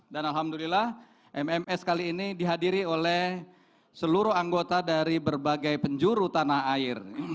dan alhamdulillah mms kali ini dihadiri oleh seluruh anggota dari berbagai penjuru tanah air